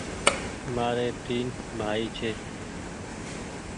ماريٚ تين بهائي ڇي